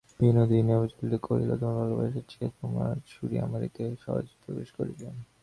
বিনোদিনী অবিচলিতমুখে কহিল, তোমার ভালোবাসার চেয়ে তোমার ছুরি আমার হৃদয়ে সহজে প্রবেশ করিবে।